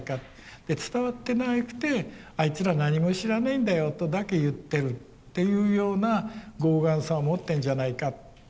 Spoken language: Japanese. で伝わってなくてあいつら何も知らないんだよとだけ言ってるというような傲岸さを持ってんじゃないかと。